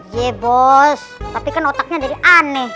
ye bos tapi kan otaknya dari aneh